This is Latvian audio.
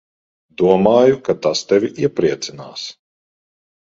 Domāju, ka tas tevi iepriecinās.